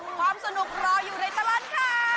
ความสนุกรออยู่ในตลอดข่าว